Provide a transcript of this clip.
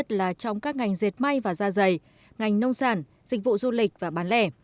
nhất là trong các ngành dệt may và da dày ngành nông sản dịch vụ du lịch và bán lẻ